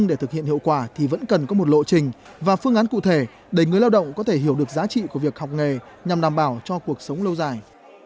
để thực hiện hiệu quả thì vẫn cần có một lộ trình và phương án cụ thể để người lao động có thể hiểu được giá trị của việc học nghề nhằm đảm bảo cho cuộc sống lâu dài